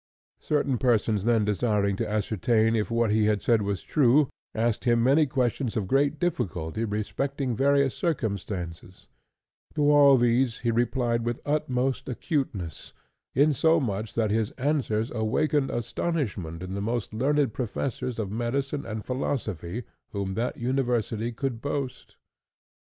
Certain persons then desiring to ascertain if what he had said were true, asked him many questions of great difficulty respecting various circumstances; to all these he replied with the utmost acuteness, insomuch that his answers awakened astonishment in the most learned professors of medicine and philosophy whom that university could boast.